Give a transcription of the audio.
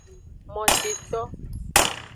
Moteto.